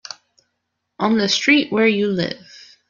On the street where you live.